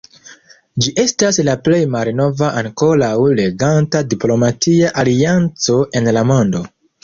Ĝi estas la plej malnova ankoraŭ reganta diplomatia alianco en la mondo.